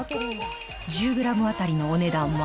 １０グラム当たりのお値段は。